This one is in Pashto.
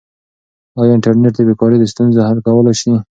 آیا انټرنیټ د بې کارۍ ستونزه حل کولای سي؟